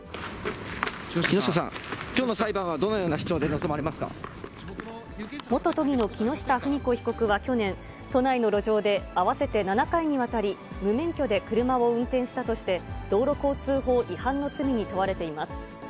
木下さん、きょうの裁判は、元都議の木下富美子被告は去年、都内の路上で合わせて７回にわたり、無免許で車を運転したとして、道路交通法違反の罪に問われています。